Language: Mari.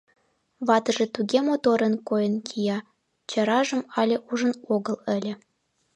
Ватыже туге моторын койын кия — чаражым але ужын огыл ыле.